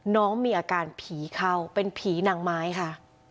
น้องมีอาการผีเข้าเป็นผีหนังไม้ค่ะ